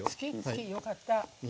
よかった。